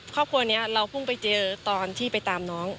ครอบครัวนี้เราเพิ่งไปเจอตอนที่ไปตามน้อง